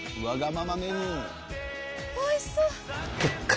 おいしそう！